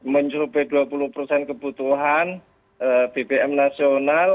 mencubai dua puluh kebutuhan bpm nasional